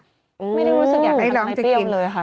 อยู่รู้สึกอยากนั้นไม่เปรี้ยวเลยค่ะ